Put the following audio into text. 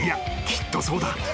きっとそうだ。